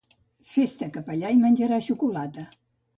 Fes-te capellà i menjaràs xocolata.